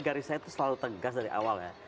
garis saya itu selalu tegas dari awal ya